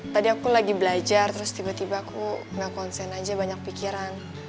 tadi aku lagi belajar terus tiba tiba aku nggak konsen aja banyak pikiran